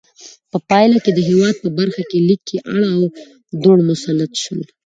په پایله کې د هېواد په برخه لیک کې اړ او دوړ مسلط شول.